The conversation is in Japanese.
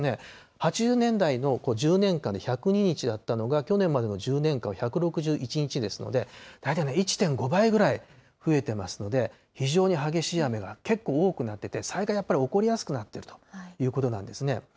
８０年代の１０年間で１０２日だったのが、去年までの１０年間は１６１日ですので、大体１．５倍ぐらい増えてますので、非常に激しい雨が、結構多くなってて、災害やっぱり起こりやすくなっているということなんですね。